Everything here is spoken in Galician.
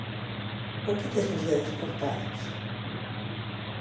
_Por que tes os dedos cortados?